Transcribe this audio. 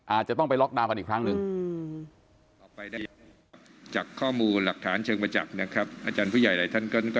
อาจจะต้องไปล็อกดาวนกันอีกครั้งหนึ่ง